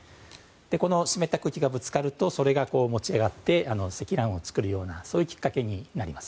この湿った空気がぶつかるとそれが持ち上がって積乱雲を作るようなきっかけになります。